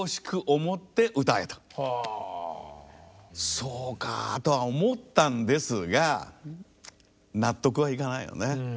そうかとは思ったんですが納得はいかないのね。